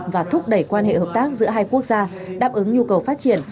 và thúc đẩy quan hệ hợp tác giữa hai quốc gia đáp ứng nhu cầu phát triển